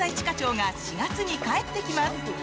課長」が４月に帰ってきます！